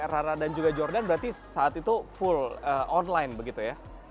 rara dan juga jordan berarti saat itu full online begitu ya